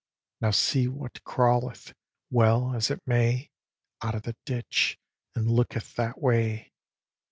Now see what crawleth, well as it may, Out of the ditch, and looketh that way.